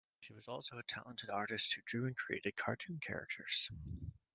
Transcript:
She was also a talented artist who drew and created cartoon characters.